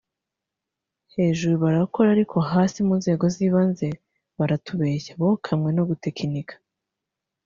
Hejuru barakora ariko hasi (mu nzego z'ibanze) baratubeshya bokamwe no gutekinika